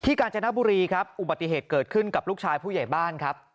กาญจนบุรีครับอุบัติเหตุเกิดขึ้นกับลูกชายผู้ใหญ่บ้านครับ